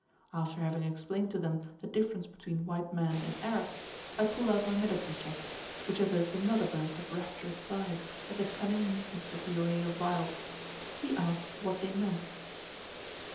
After having explained to them the difference between white men and Arabs, I pulled out my medicine chest, which evoked another burst of rapturous sighs at the cunning neatness of the array of vials. He asked what they meant.